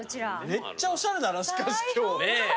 めっちゃおしゃれだなしかし今日。